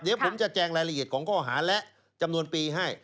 เดี๋ยวผมจะแจงรายละเอียดของข้อหาและจำนวนปีให้